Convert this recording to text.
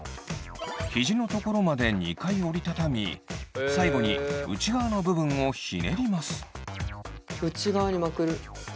ヒジの所まで２回折り畳み最後に内側の部分をひねります。